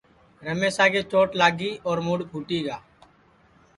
رمیشا کے چوٹ لاگی اور مُڈؔ پُھٹی گا